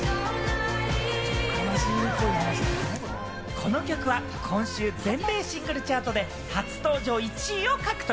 この曲は今週全米シングルチャートで初登場１位を獲得。